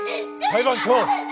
裁判長！